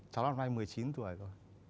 cháu năm nay một mươi chín tuổi rồi